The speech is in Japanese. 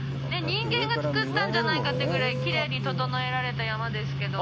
人間がつくったんじゃないかっていうぐらい、きれいに整えられた山ですけど。